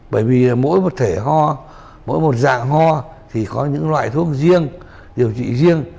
bởi vì mỗi một thể ho mỗi một dạng ho thì có những loại thuốc riêng điều trị riêng